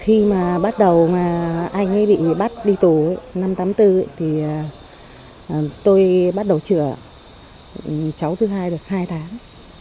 khi mà bắt đầu anh ấy bị bắt đi tù năm một nghìn chín trăm tám mươi bốn tôi bắt đầu chữa cháu thứ hai được hai tháng